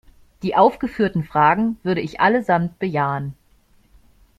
Die aufgeführten Fragen würde ich allesamt bejahen.